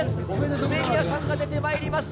梅宮さんが出てまいりました。